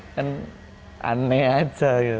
kan aneh aja gitu